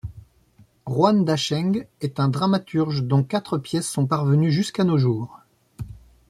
Ruan Dacheng est un dramaturge dont quatre pièces sont parvenues jusqu'à nos jours.